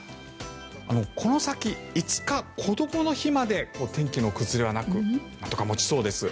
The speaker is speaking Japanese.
この先、５日、こどもの日まで天気の崩れはなくなんとか持ちそうです。